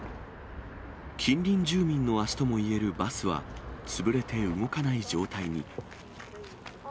近隣住民の足ともいえるバスは潰れて動かない状態に。